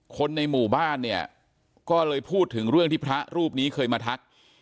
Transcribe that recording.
คนในหมู่บ้านเนี่ยก็เลยพูดถึงเรื่องที่พระรูปนี้เคยมาทัก